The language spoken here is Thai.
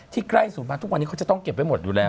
ที่ใกล้สุดมาทุกวันนี้เขาจะต้องเก็บไว้หมดอยู่แล้ว